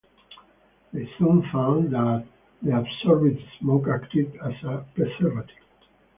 They soon found that the absorbed smoke acted as a preservative.